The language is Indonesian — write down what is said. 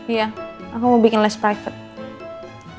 iya aku mau bikin less private